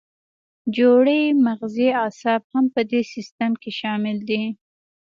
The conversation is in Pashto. جوړې مغزي اعصاب هم په دې سیستم کې شامل دي.